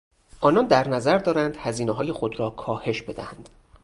آنان در نظر دارند هزینههای خود را کاهش بدهند.